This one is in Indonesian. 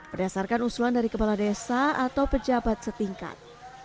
berdasarkan usulan dari kepala desa atau pejabat setingkat